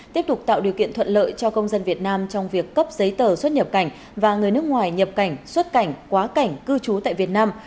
tiếp tục tạo điều kiện thuận lợi cho công dân việt nam trong việc cấp giấy tờ xuất nhập cảnh và người nước ngoài nhập cảnh xuất cảnh quá cảnh cư trú tại việt nam